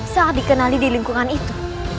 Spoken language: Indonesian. saat dikenali di lingkungan itu